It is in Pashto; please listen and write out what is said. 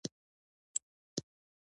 بوتل له پاملرنې سره باید وکارول شي.